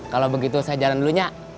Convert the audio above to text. kalau begitu saya jalan dulunya